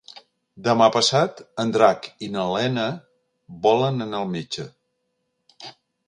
Demà passat en Drac i na Lena volen anar al metge.